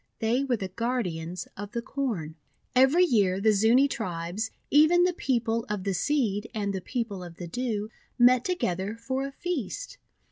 They were the guardians of the Corn. Every year the Zuni tribes, even the People of the Seed and the People of the Dew, met to gether for a feast.